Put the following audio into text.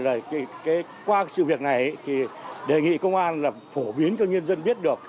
vậy là qua sự việc này thì đề nghị công an là phổ biến cho nhân dân biết được